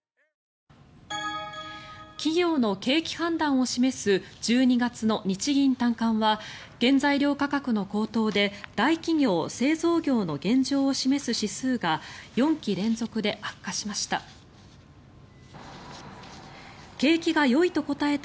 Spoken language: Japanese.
企業の景気判断を示す１２月の日銀短観は原材料価格の高騰で大企業・製造業の現状を示す指数が４期連続で悪化しました。